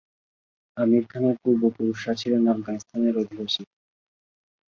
আমির খানের পূর্বপুরুষরা ছিলেন আফগানিস্তানের অধিবাসী।